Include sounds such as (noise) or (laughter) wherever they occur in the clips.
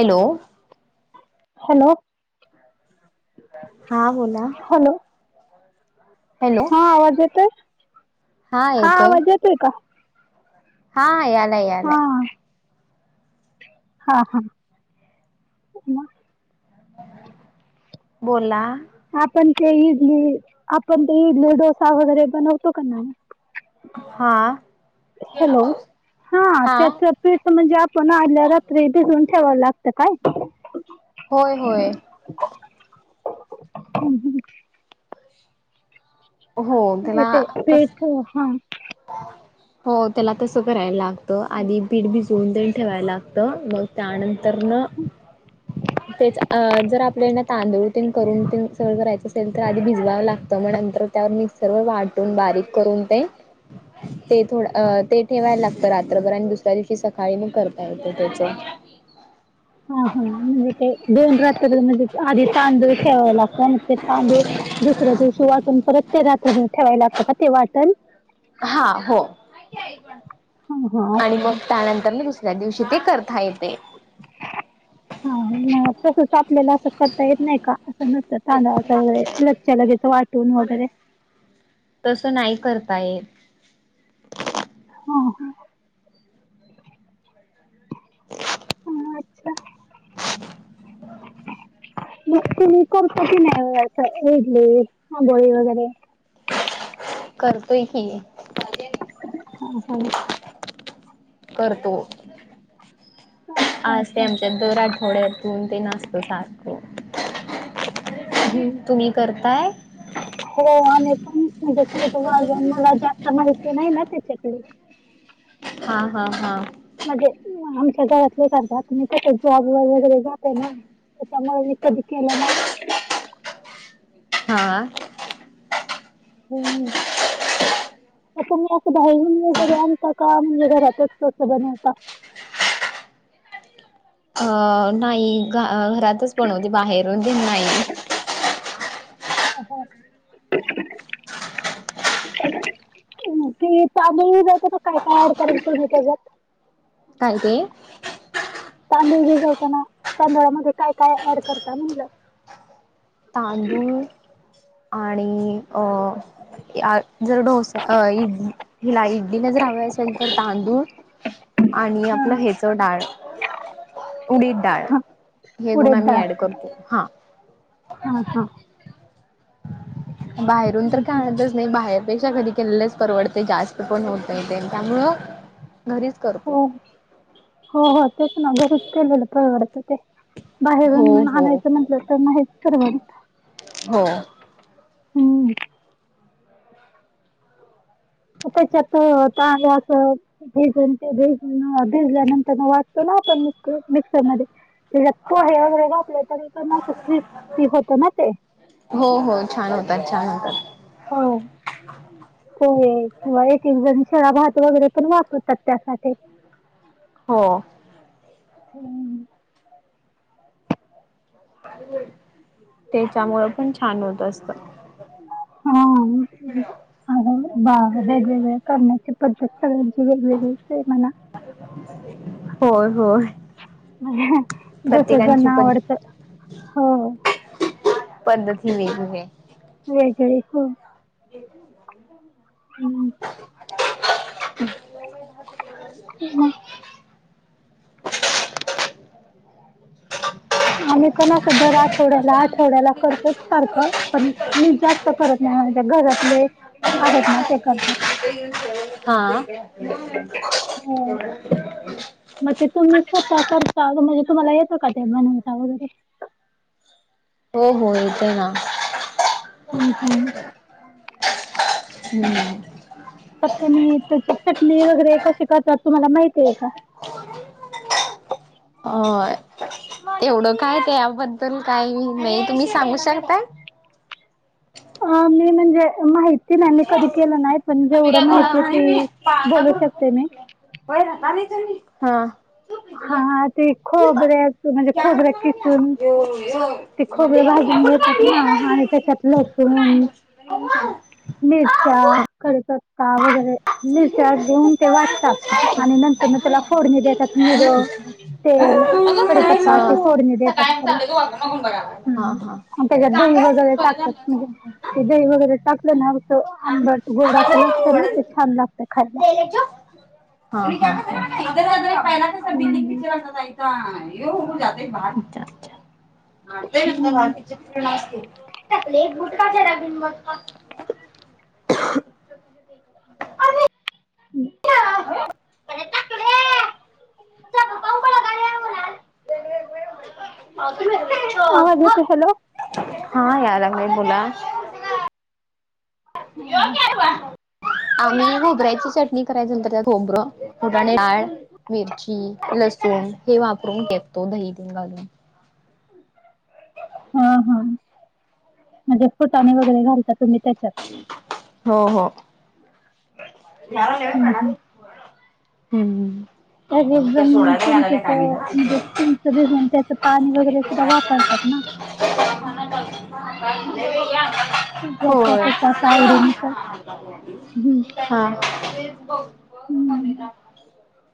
Hello hello हा बोला hello hello हा आवाज येतोय हा आवाज येतोय का? हा यायलाय हा यायलाय हा हा बोला आपण ते इडली आपण ते इडली डोसा वगैरे बनवतो का नाय हा हॅलो हा त्याचच पिठ म्हणजे आपल्याला आदल्या रात्री भिजून ठेवावला लागत काय? होय होय. हम् ह हो ग्ला कस् ओ हा. हो त्याला तसं करायला लागतं आणि पीठ भिजून देऊन ठेवायला लागतं मग त्यानंतर न तेच अ जर आपल्यान तांदूळ तेन करून तीन सगळं करायचं असेल त आधी भिजवावं लागतं म नंतर त्यावर मिक्स् सर्व वाटून बारीक करून ते ते थोडं अ ते ठेवाय लागतं रात्रभर अन दुसऱ्या दिवशी सकाळी म करता येत त्याचं. हा हा म्हणजे ते दोन रात्रं म्हणजे आधी तांदूळ ठेवाय लागता म ते तांदूळ दुसऱ्या दिवशी वाटुण परत ते रात्रभर ठेवाय लागतं का ते वाटण हा हो हा हा आणि मग अच्छा. त्यानंतर न दुसऱ्या दिवशी ते कर था येतेे. हा म तसंच आपल्याला असं. करता येत नाई का असं नसतं तांदळाचा वगैरे लगच्या लगेचं वाटून वगैरे. तसं नाई करता येत. हां हं. हां अच्छा. म तुमी करता की नाई ओ असं ईडली अंबोळी वगैरे? करते की. हा हा करतो अच्छा आसते अच्छा आमच्यात दर आठवड्यात दोन तीन असतं सारखं. हुं. तुमी करताय? हो आणि पण म्हणजे (unintelligible) मला जास्त माईती नाई ना त्याच्याकडे हा हा हा. म्हजे आमच्या घरातले करतात मी कसं जॉबला वगैरे जाते ना. त्याच्यामुळे मी कधी केलं ना हा. हम्. आता मी असं बाहेरून वगैरे आणता का म्हणजे घरातच तसं बनवता? अ नाही घ घरातच बनवते बाहेरून तेन नाई. (unintelligible) ते चांग (unintelligible) काय काय ऍड करायचं म त्याच्यात? काय ते? तांदूळ भीजवताना तांदळामध्ये काय काय ऍड करता म्हणलं. तांदूळ आणि अ जर डोस अ इड हिला इडलीला ज हवे असेल तर तांदूळ आणि हा आपलं ह्याच डाळ उडीद डाळ हा हे दोन उडीद आम्ही डाळ ऍड करतो हा. हा हां. बाहेरून तर (unintelligible) बाहेरपेक्षा कधी केलेलंच परवडते जास्त पण होतय तेन त्यामुळं घरीच हो करतो हो हो तेच ना घरीच केलेलं परवडतं ते. हो बाहेरून हो आणायचं हो म्हटलं तर म हेच ठरवुन हो. हम्म (unintelligible) भिज ते भेज भिजल्यानंतर म वाचतो ना आपण म मिक्सर मध्ये तिला तो हे वगैरे घातले तरी, पण क्रिप्सी होत ना ते हो हो छान होतात, छान होतात. हो (unintelligible) पोहे किंवा एक, एक जण शिळा भात वगैरे पण वापरतात त्यासाठी. (unintelligible) हो हम्म त्याच्यामुळं पण छान होत असत. (unintelligible) बा वेगवेगळ्या करण्याची पद्धत सगळ्यांची वेगवेगळीच हाय म्हणा होय होय जस प्रत्येकांची ज्यांना पण आवडत. हो पद्धत ही वेगळीय वेगळे हो (unintelligible) हम् (unintelligible) (unintelligible) आम्ही पण अस दर आठवड्याला आ थोड्याला करतेच सारखं, पण मी जास्त करत नाही म्हणजे घरातले आहेत. ना ते करतात. हां हो मग ते तुम्ही स्वतःता करता म्हणजे तुम्हाला येतं का ते बनवता वगैरे? हो हो येतय ना. हम् हम् हम्म चटणी, चटणी वगैरे कसे करतात तुम्हाला माहितीय का? अ एवढं काय ते याबद्दल काही नाही, तुम्ही सांगू शकता? अ मी म्हणजे माहि ती नाहीनी कधी केलं नाही पण आम्ही काय जेवढं घरात माहितीय नाही ती बोलू शकते मी. हां हा ते खोबऱ्या म्हणजे खोबऱ्या किसून ते खोबर भाजून घेतात ना, हा आणि त्येच्यात लसून (unintelligible) मिरच्या खर तर का वगैरे मिरच्या घेऊन ते वाटतात आणि नंतर न त्येला फोडणी देत्यात मीर, तेल कडीपत्ता असे फोडणी देतात सकाळी त्येला, चालू वागून वागून बघायला. हम्म. त्येच्यात दही वगैरे टाकतात. काय म्हणजे सांगता? ते दही वगैरे टाकलं ना असं, आंबट गोड असं लागत ना ते छान लागत खायला. हा, हा हम्म. अच्छा हम्म अच्छा (unintelligible) टकले एक गुटकारा बिब (unintelligible) (unintelligible) ह्म. अरे टाकले सब पाहू पडा गाड्या आवाज येतोय हॅलो. हां, याय लागलाय बोला. हम्म. आम्ही ना, होबऱ्याची चटणी करायचो, तर त्यात होबरं, डाळ मिरची, लसूण हे वापरून केलतो, दहीतून घालून. हां हां, म्हणजे फुटाणे वगैरे घालता, तुम्ही त्याच्यात. हो हो. हम्म हम्म. हम्म. त्या एकदम सोडायला यायला काय मी चिंचचं, म्हणजे चिंच भिजून, त्याचं पाणी वगैरे (unintelligible) वापरतात ना? (inaudible) ज्याचा-त्याच्या, असं आवडी नुसार हां, तेच ब हम्म (unintelligible)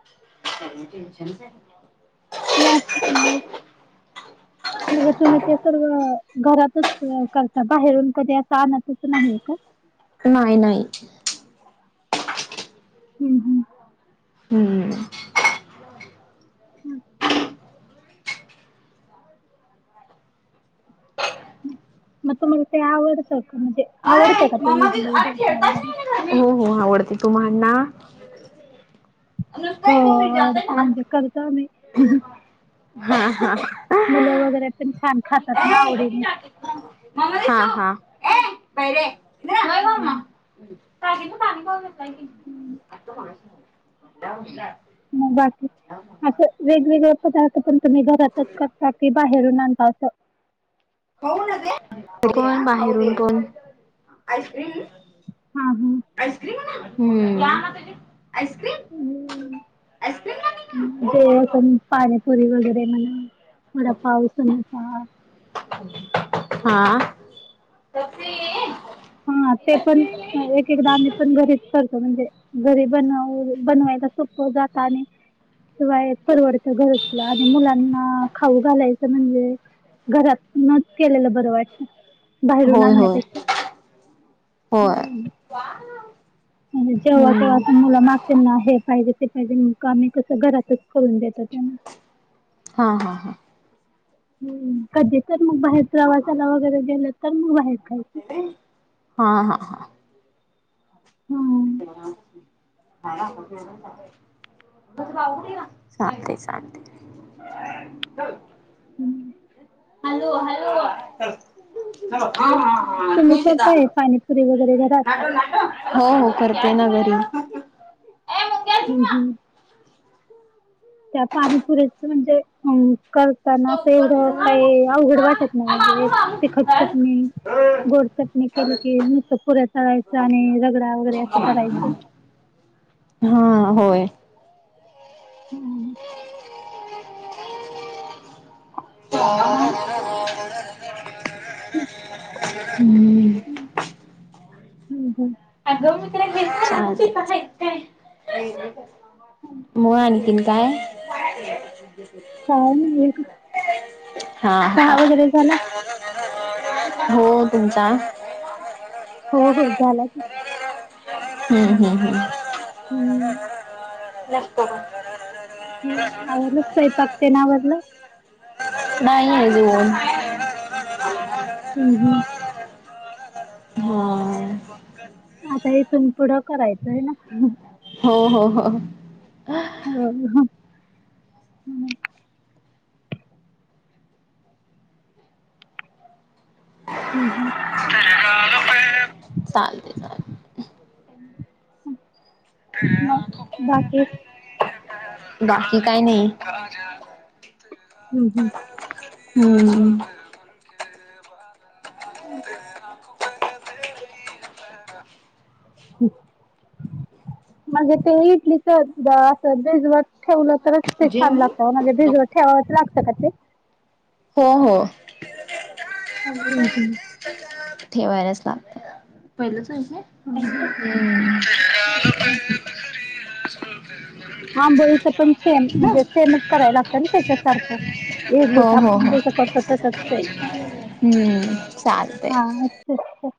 (unintelligible) काय मं टेन्शन चं य. ना ख (unintelligible) म्हणजे तुम्ही ते सर्व, घरातच करता, बाहेरून कधी असं आणतच, नाहीये का? नाही नाही. हम् हम्. हम्म. ह्म. म तुम्हाला ते आवडतं का, म्हणजे आवडतं का, ते मम्मा ती इडली अरे डोसा खेळताच वगैरे? नाही हो हो, आवडते, तुम्हांना? हो आवडत, म्हणजे करतो, आम्ही. हां हां. मुलं वगैरे पण, छान खातात ना, आवडीने. हां हां. (unintelligible) ह्म. टाकीतलं पाणी (unintelligible) नाही कीं मं बाक असं वेगवेगळे पदार्थ, पण तुम्ही घरातच करता, कि बाहेरून आणता असं? कोन बाहेरून, कोण? (unintelligible) हां ह्म. (unintelligible) हम्म. आईस्क्रीम ह्म, आईस्क्रीम ना ना जे आपण, पाणी पुरी वगैरे म्हणा. वडापाव, समोसा हां. (unintelligible) हां, ते पण, एक-एकदा आम्ही पण, घरीच करतो, म्हणजे घरी बनव-बनवायला सोपं जातं, अणि शिवाय परवडतं घर असलं, आणि मुलांना खाऊ घालायचं, म्हणजे घरात नत केलेलं बरं वाटत, बाहेरून आणण्यापेक्षा. हो. हम्म. वाव! म्हणजे जेव्हा-केव्हा असं मुलं मागतील ना, हे पाहिजे, ते पाहिजे, आम्ही कसं घरातच, करून देतो त्यांना. हा हा हा.... हं कधी तर मग बाहेर प्रवासाला वगैरे गेलं तर मग बाहेर- खायचं. हा हा.. हम्म. (inaudible) चालते चालते. हम्म..... हॅलो हॅलो ह हा हा हा तुम्ही करताय त पाणीपुरी वगैरे घरात? नाट नाट- (inaudible) हो हो करते ना घरी- हं हं.... त्या पाणीपुऱीच म्हणजे अ- करताना ते एवढं हा काही अवघड वाटत नाही. म्हणजे ते खटतात नाही. गोड चटणी केली की नुसतं पुऱ्या तलायच्या आणि रगडा वगैरे असं करायचं. हा होय.... हम्म.... (inaudible) हं... हम्म हम्म हम्म हं.... अग मी ते छान- (inaudible) मग आनखीन काय? काय नाही बघा हा चहा हा वगैरे झाला? हो तुमचा? हो हो झालाय. हम्म हम्म हम्म हम्म हम्म (inaudible) आवरलं, स्वयंपाक तेन आवरलं. नाही अजून. हम्म हम्म हो काय (inaudible) आता इथून पुढं करायचं आहे ना. हो हो हो हो हो (inaudible) ह (inaudible) हम्म हम्म चालतंय. (inaudible) मग बाकी. बाकी काय नाही. हम्म हंम हम्म म्हणजे ते इडलीच असं भिजवत ठेवलं तर तरच ते छान लागतं, म्हणजे भिजवत ठेवावचं लागतं का ते. हो हो. हम्म ठेवायलाच लागत. पाहिलंच आहे काये हम्म. हम्म. (unintelligible) आंबोळीच पण सेम म्हणजे सेमच करायला लागत ना त्याच्यासारखं हो इडलीच हो आपण जसं करतो तसच सेम. हम्म चालतय. हम्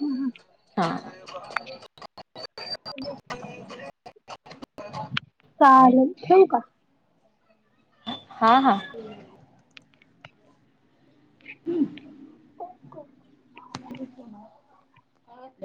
हम् हा (unintelligible) चालेल, ठेऊ का? हा हा. हम्म (unintelligible) (unintelligible) हा ते